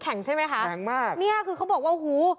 แข็งใช่ไหมคะแข็งมากนี่คือเขาบอกว่าฮู้